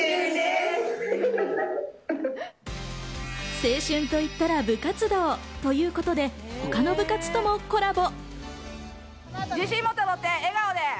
青春と言ったら部活動。ということで他の部活ともコラボ。